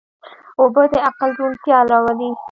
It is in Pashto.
اوبه د عقل روڼتیا راولي.